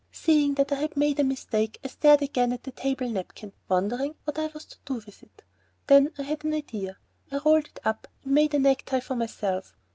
Seeing that I had made a mistake, I stared again at the table napkin, wondering what I was to do with it. Then I had an idea. I rolled it up and made a necktie for myself.